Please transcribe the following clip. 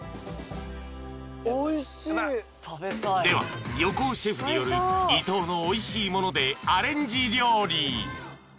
［では横尾シェフによる伊東のおいしいものでアレンジ料理］